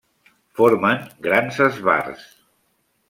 Formen grans esbarts.